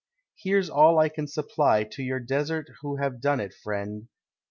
Here's all I can supply To your desert who have done it, friend!